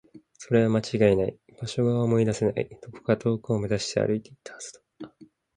それは間違いない。場所が思い出せない。どこか遠くを目指して歩いていったはずだ。